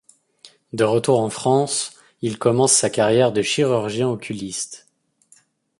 De retour en France, il commence sa carrière de chirurgien-oculiste.